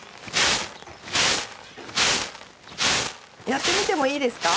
やってみてもいいですか？